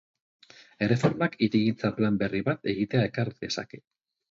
Erreformak hirigintza plan berri bat egitea ekar dezake.